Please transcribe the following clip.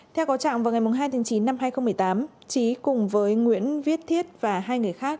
theo có trạng vào ngày hai tháng chín năm hai nghìn một mươi tám trí cùng với nguyễn viết thiết và hai người khác